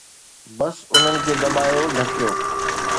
بس انهن کي دٻايو، ڍڪيو.